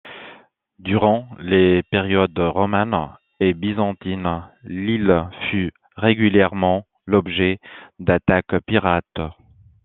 Durant les périodes romaine et byzantine, l'île fut régulièrement l'objet d'attaques pirates.